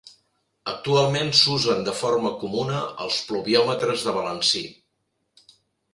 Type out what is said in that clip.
Actualment s'usen de forma comuna els pluviòmetres de balancí.